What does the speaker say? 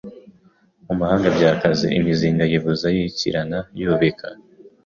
Mu mahanga byakaze Imizinga yivuza Yakirana yubika,